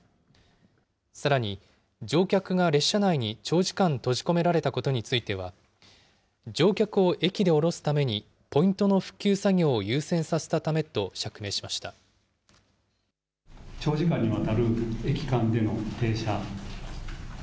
さらに乗客が列車内に長時間閉じ込められたことについては、乗客を駅で降ろすためにポイントの復旧作業を優先させたためと釈明しました。